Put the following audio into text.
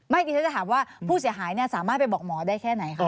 ดิฉันจะถามว่าผู้เสียหายสามารถไปบอกหมอได้แค่ไหนคะ